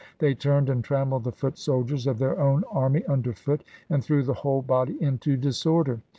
They turned, and tram pled the foot soldiers of their own army under foot, and threw the whole body into disorder.